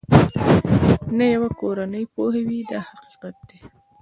ته یوه کورنۍ پوهوې دا حقیقت دی.